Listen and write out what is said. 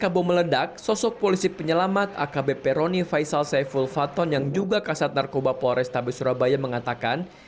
kabum meledak sosok polisi penyelamat akb peroni faisal saiful faton yang juga kasat narkoba polrestabes surabaya mengatakan